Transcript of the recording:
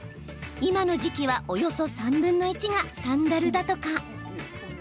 今の時期はおよそ３分の１がサンダルだとか。